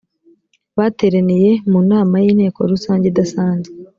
batereniye mu nama y inteko rusange idasanzwe